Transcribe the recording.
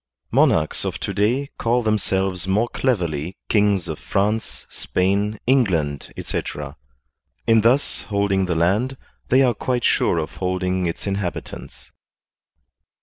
Monarchs of to day call them selves more cleverly kings of France, Spain, England, etc. ; in thus holding the land they are quite sure of holding its inhabitants.